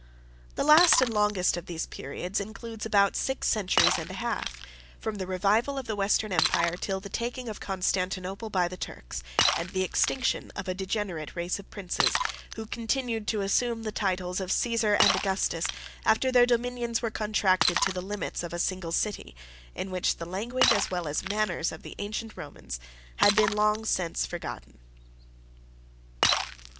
III. The last and longest of these periods includes about six centuries and a half; from the revival of the Western Empire, till the taking of Constantinople by the Turks, and the extinction of a degenerate race of princes, who continued to assume the titles of Cæsar and Augustus, after their dominions were contracted to the limits of a single city; in which the language, as well as manners, of the ancient Romans, had been long since forgotten.